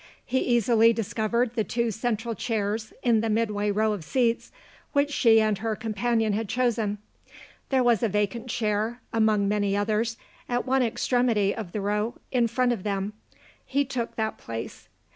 He easily discovered the two central chairs, in the midway row of seats, which she and her companion had chosen. There was a vacant chair (among many others) at one extremity of the row in front of them. He took that place.